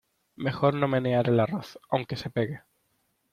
Mejor no menear el arroz aunque se pegue.